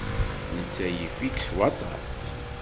Netta yif-ik s waṭas.